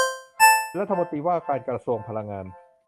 เป็นรัฐมนตรีว่าการกระทรวงพลังงาน